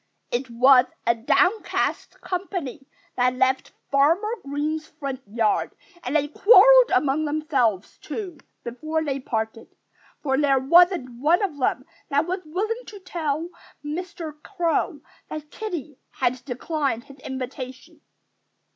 It was a downcast company that left Farmer Green's front yard. And they quarreled among themselves, too, before they parted. For there wasn't one of them that was willing to tell Mr. Crow that Kiddie had declined his invitation.